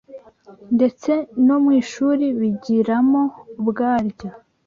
ndetse no mu ishuri bigiramo ubwaryo